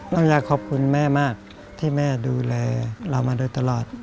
เราอยากขอบคุณแม่มากที่แม่ดูแลเรามาโดยตลอด